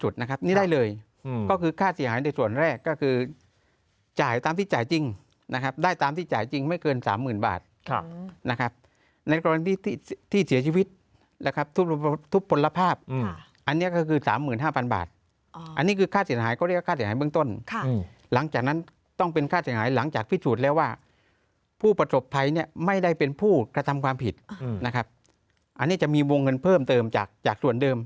จริงนะครับได้ตามที่จ่ายจริงไม่เกินสามหมื่นบาทนะครับในกรณีที่เสียชีวิตและทุบผลภาพอันนี้ก็คือสามหมื่นห้าพันบาทอันนี้คือค่าเสียหายก็เรียกว่าค่าเสียหายเบื้องต้นหลังจากนั้นต้องเป็นค่าเสียหายหลังจากพิสูจน์แล้วว่าผู้ประสบทัยเนี่ยไม่ได้เป็นผู้กระทำความผิดนะครับอันนี้จะมีวงเงินเพิ